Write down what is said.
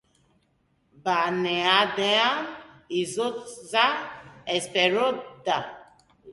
Barnealdean izotza espero da.